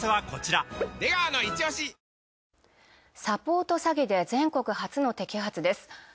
サポート詐欺で全国初の摘発です。